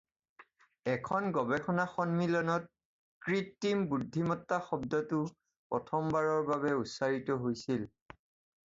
এখন গৱেষণা সন্মিলনত ‘কৃত্ৰিম বুদ্ধিমত্তা’ শব্দটো প্ৰথমবাৰৰ বাবে উচ্চাৰিত হৈছিল।